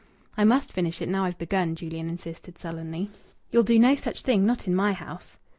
"I must finish it now I've begun," Julian insisted sullenly. "You'll do no such thing not in my house."